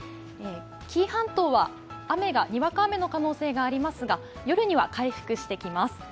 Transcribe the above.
紀伊半島はにわか雨の可能性がありますが夜には回復してきます。